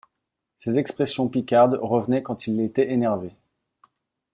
Ses expressions picardes revenaient quand il était énervé.